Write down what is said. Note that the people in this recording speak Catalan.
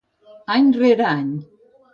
Any rere any.